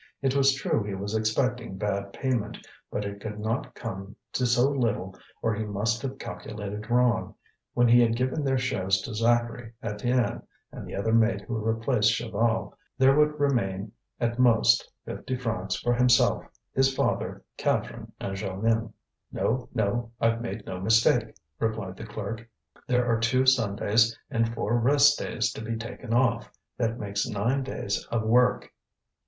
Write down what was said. It was true he was expecting bad payment, but it could not come to so little or he must have calculated wrong. When he had given their shares to Zacharie, Étienne, and the other mate who replaced Chaval, there would remain at most fifty francs for himself, his father, Catherine, and Jeanlin. "No, no, I've made no mistake," replied the clerk. "There are two Sundays and four rest days to be taken off; that makes nine days of work."